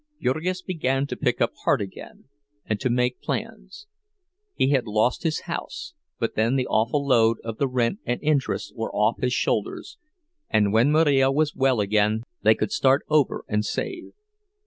Jurgis began to pick up heart again and to make plans. He had lost his house but then the awful load of the rent and interest was off his shoulders, and when Marija was well again they could start over and save.